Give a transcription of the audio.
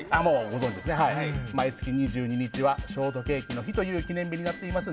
毎月２２日にはショートケーキの日という記念日になっています。